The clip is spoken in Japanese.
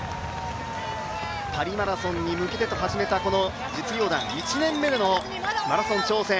パリマラソンに向けてと始めた、この実業団マラソン挑戦。